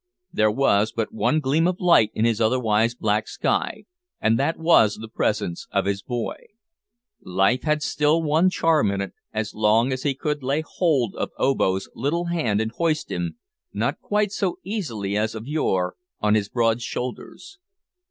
There was but one gleam of light in his otherwise black sky, and that was the presence of his boy. Life had still one charm in it as long as he could lay hold of Obo's little hand and hoist him, not quite so easily as of yore, on his broad shoulders.